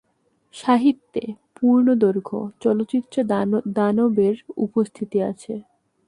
সাহিত্যে, পূর্ণদৈর্ঘ্য চলচ্চিত্রে দানবের উপস্থিতি আছে।